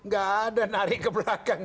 gak ada narik ke belakang